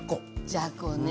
じゃこね。